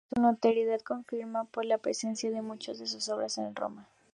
Su notoriedad se confirma por la presencia de muchas de sus obras en Roma.